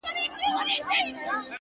پوهه د تیارو افکارو څراغ دی!.